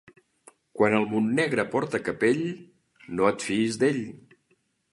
Quan el Montnegre porta capell, no et fiïs d'ell.